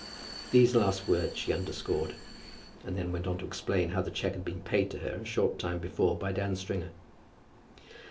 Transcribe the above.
_" These last words she underscored, and then went on to explain how the cheque had been paid to her a short time before by Dan Stringer.